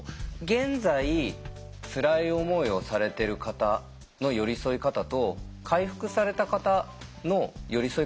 現在つらい思いをされてる方の寄り添い方と回復された方の寄り添い方っていうのは違うんでしょうか？